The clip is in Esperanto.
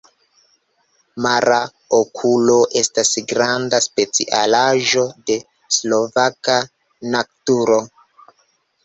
Mara okulo estas granda specialaĵo de slovaka naturo.